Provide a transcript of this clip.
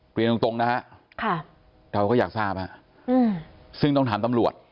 เปลี่ยนตรงตรงนะฮะค่ะเราก็อยากทราบฮะอืมซึ่งต้องถามตำรวจ